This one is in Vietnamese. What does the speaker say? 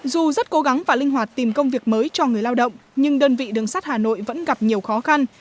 dù rất cố gắng và linh hoạt tìm công việc mới cho người lao động nhưng đơn vị đường sắt hà nội vẫn gặp nhiều khó khăn